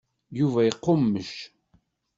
Yuba iqummec.